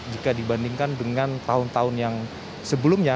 jika dibandingkan dengan tahun tahun yang sebelumnya